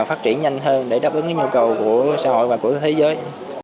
phát triển nhanh hơn để đáp ứng cái nhu cầu của xã hội và của thế giới